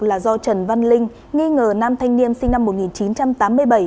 là do trần văn linh nghi ngờ nam thanh niên sinh năm một nghìn chín trăm tám mươi bảy